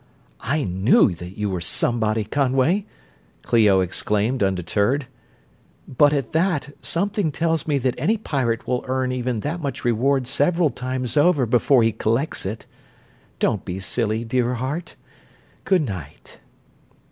I knew that you were somebody, Conway!" Clio exclaimed, undeterred. "But at that, something tells me that any pirate will earn even that much reward several times over before he collects it. Don't be silly, dear heart good night."